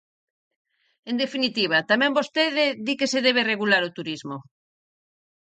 En definitiva, tamén vostede di que se debe regular o turismo.